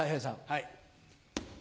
はい。